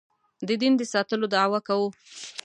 د دین د ساتلو دعوه کوو.